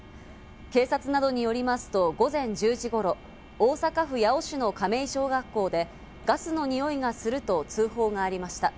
警察などによりますと午前１０時頃、大阪府八尾市の亀井小学校でガスの臭いがすると、通報がありました。